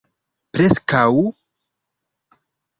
Preskaŭ...